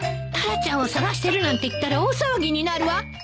タラちゃんを捜してるなんて言ったら大騒ぎになるわ